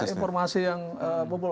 banyak informasi yang bobo